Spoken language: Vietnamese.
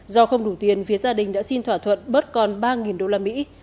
do không đủ tiền phía gia đình đã xin thỏa thuận bớt con ba đô la mỹ